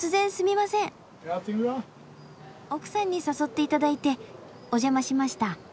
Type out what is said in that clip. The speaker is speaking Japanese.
奥さんに誘っていただいてお邪魔しました。